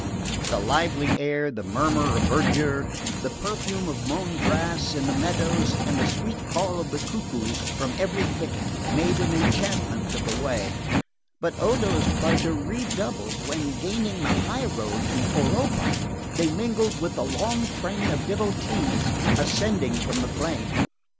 The lively air, the murmur of verdure, the perfume of mown grass in the meadows and the sweet call of the cuckoos from every thicket made an enchantment of the way; but Odo's pleasure redoubled when, gaining the high road to Oropa, they mingled with the long train of devotees ascending from the plain.